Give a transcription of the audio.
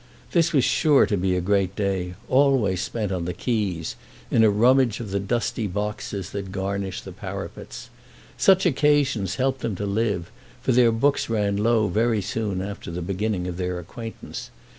This was sure to be a great day, always spent on the quays, in a rummage of the dusty boxes that garnish the parapets. Such occasions helped them to live, for their books ran low very soon after the beginning of their acquaintance.